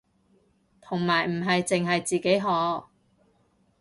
同埋唔係淨係自己學